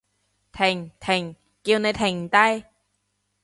停！停！叫你停低！